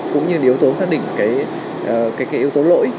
cũng như yếu tố xác định cái yếu tố lỗi